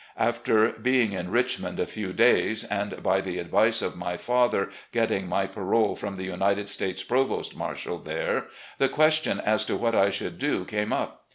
After being in Richmond a few days, and by the advice of my father getting my parole from the United States Provost Marshal there, the question as to what I should do came up.